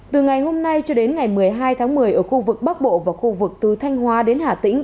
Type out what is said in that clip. từ ngày hôm nay cho đến ngày một mươi hai tháng một mươi ở khu vực bắc bộ và khu vực từ thanh hóa đến hà tĩnh